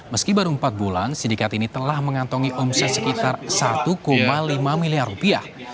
meski baru empat bulan sindikat ini telah mengantongi omset sekitar satu lima miliar rupiah